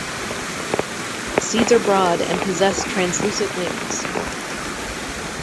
Seeds are broad and possess translucent wings.